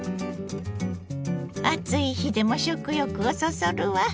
暑い日でも食欲をそそるわ。